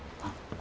あっ。